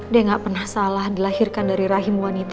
dia gak pernah salah dilahirkan dari rahim wanita